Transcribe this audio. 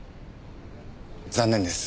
残念です。